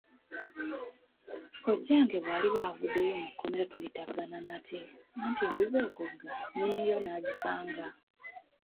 Kkojjange bw'aliba avuddeyo mu kkomera tulitabagana nate, anti mbuzeekogga, nnyiniyo n'agisanga.